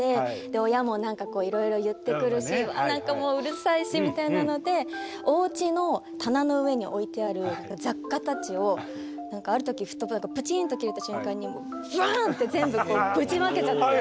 親も何かこういろいろ言ってくるし何かもううるさいしみたいなのでおうちの棚の上に置いてある雑貨たちを何かあるときプチンと切れた瞬間にバン！って全部ぶちまけちゃって。